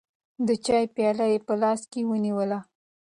د چای پیاله یې په لاس کې ونیوله.